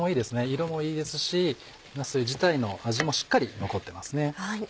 色もいいですしなす自体の味もしっかり残ってます。